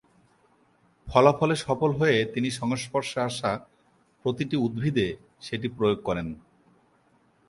ফলাফলে সফল হয়ে তিনি সংস্পর্শে আসা প্রতিটি উদ্ভিদে সেটি প্রয়োগ করেন।